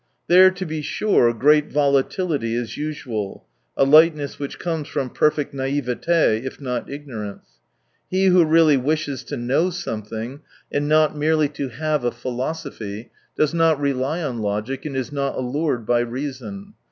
There to be sure great volatility is usual, a lightness which comes from perfect naivet6, if not ignorance. He who really wishes to know something, and not merely to have 158 a philosophy, does not rely on logic and is not allured by reason.